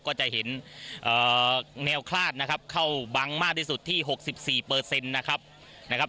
ก็จะเห็นแนวคราชนะครับเข้าบังมากที่สุดที่๖๔เปอร์เซ็นต์นะครับ